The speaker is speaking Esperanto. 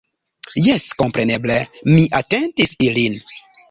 Jes, kompreneble mi atentis ilin.